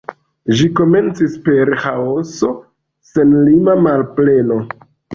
Ĝi komencis per Ĥaoso, senlima malpleno.